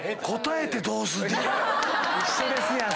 一緒ですやん！